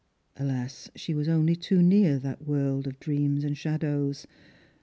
" Alas, she was only too near that world of dreams and sha dows